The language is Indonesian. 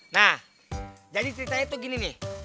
nah jadi ceritanya itu gini nih